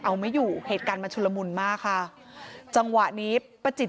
เอาไม่อยู่เหตุการณ์มันชุลมุนมากค่ะจังหวะนี้ประจิต